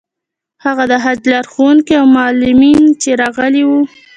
هغه د حج لارښوونکي او معلمین چې راغلي وو.